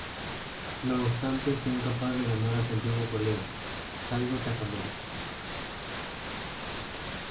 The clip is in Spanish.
No obstante, fue incapaz de ganar a su antiguo colega Saigō Takamori.